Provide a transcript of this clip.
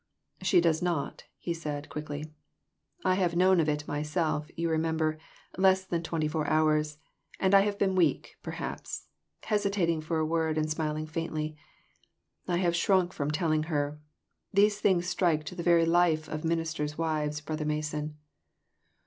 "She does not," he said, quickly ;" I have known of it myself, you remem ber, less than twenty four hours ; and I have been weak, perhaps," hesitating for a word, and smiling faintly. "I have shrunk from telling her; these things strike to the very life of ministers' wives, Brother Mason."